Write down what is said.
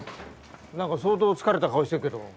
何か相当疲れた顔してるけど。